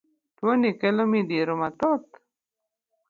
Tuoni kelo midhiero mathoth.